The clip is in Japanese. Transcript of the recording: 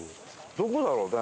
どこだろうね？